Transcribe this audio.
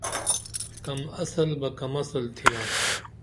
کم اصل بہ کم اصل تھینا